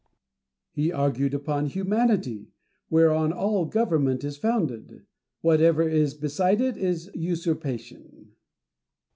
He argued upon humanity, whereon all government is founded : whatever is beside it is usurpa tion.